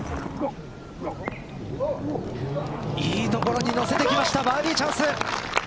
いい所にのせてきましたバーディーチャンス。